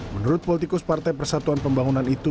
menurut politikus partai persatuan pembangunan itu